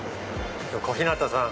小日向さん。